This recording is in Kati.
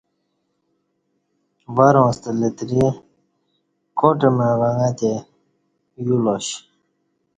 ورں ستہ لتری کاٹ مع وݣہ تے یو لا ش